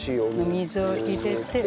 お水を入れて。